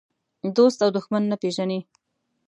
دوست او دښمن نه پېژني.